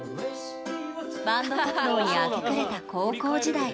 バンド活動に明け暮れた高校時代。